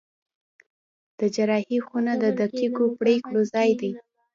د جراحي خونه د دقیقو پرېکړو ځای دی.